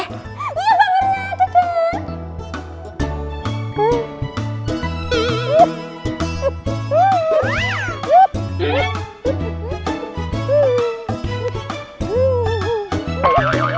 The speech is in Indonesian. iya mbak mirna jangan